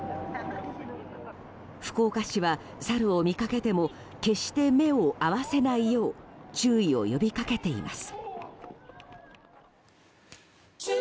福岡市はサルを見かけても決して目を合わせないよう注意を呼び掛けています。